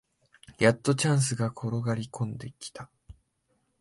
やっとチャンスが転がりこんできた